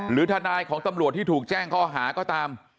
หรือทนายของตำรวจที่ถูกแจ้งข้อหาก็ตาม